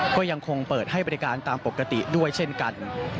ก็ยังคงเปิดให้บริการตามปกติด้วยเช่นกัน